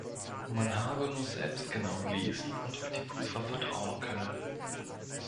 Man habe nur selbst genau lesen und auf die Prüfer vertrauen können.